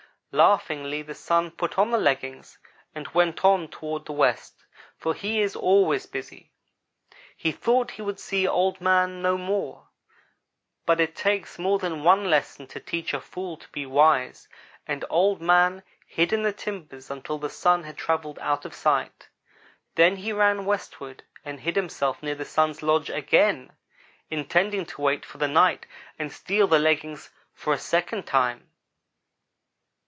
"Laughingly the Sun put on the leggings and went on toward the west, for he is al ways busy. He thought he would see Old man no more, but it takes more than one lesson to teach a fool to be wise, and Old man hid in the timber until the Sun had travelled out of sight. Then he ran westward and hid himself near the Sun's lodge again, intending to wait for the night and steal the leggings a second time.